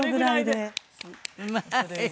うまい。